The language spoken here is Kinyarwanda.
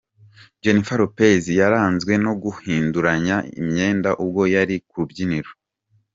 Jennifer Lopez yaranzwe no guhinduranya imyenda ubwo yari ku rubyiniro.